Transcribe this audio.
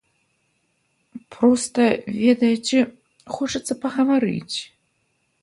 Проста, ведаеце, хочацца пагаварыць.